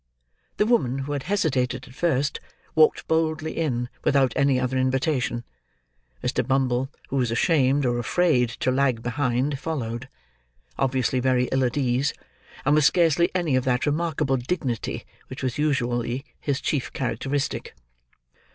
The woman, who had hesitated at first, walked boldly in, without any other invitation. Mr. Bumble, who was ashamed or afraid to lag behind, followed: obviously very ill at ease and with scarcely any of that remarkable dignity which was usually his chief characteristic.